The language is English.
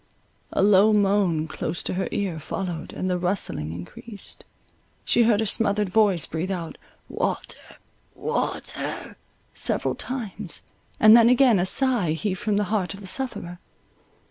A low moan close to her ear followed, and the rustling increased; she heard a smothered voice breathe out, Water, Water! several times; and then again a sigh heaved from the heart of the sufferer.